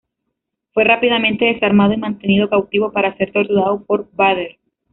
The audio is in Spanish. Fue rápidamente desarmado, y mantenido cautivo para ser torturado por Vader.